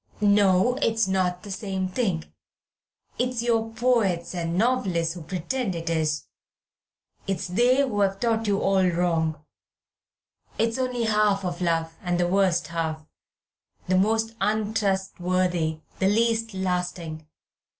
No, it's not the same thing. It's your poets and novelists who pretend it is. It's they who have taught you all wrong. It's only half of love, and the worst half, the most untrustworthy, the least lasting.